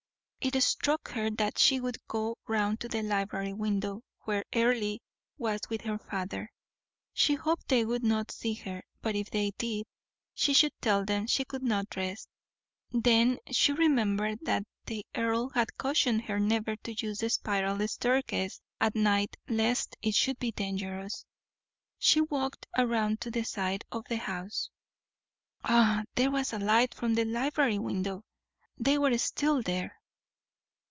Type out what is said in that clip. It struck her that she would go round to the library window, where Earle was with her father. She hoped they would not see her; but if they did, she should tell them she could not rest. Then she remembered that the earl had cautioned her never to use the spiral staircase at night lest it should be dangerous. She walked round to the side of the house. Ah! there was the light from the library window; they were still there.